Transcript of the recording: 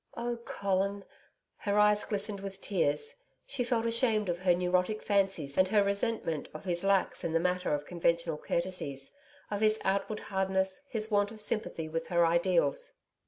'Oh, Colin!' Her eyes glistened with tears. She felt ashamed of her neurotic fancies and her resentment of his lacks in the matter of conventional courtesies of his outward hardness, his want of sympathy with her ideals.